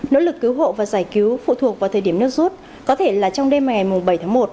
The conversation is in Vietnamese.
nỗ lực cứu hộ và giải cứu phụ thuộc vào thời điểm nước rút có thể là trong đêm ngày bảy tháng một